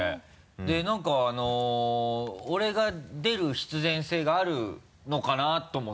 で何か俺が出る必然性があるのかな？と思って。